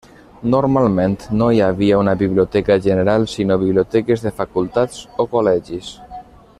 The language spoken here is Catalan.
Normalment no hi havia una biblioteca general sinó biblioteques de facultats o col·legis.